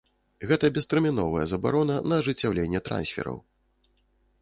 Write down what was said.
Гэта бестэрміновая забарона на ажыццяўленне трансфераў.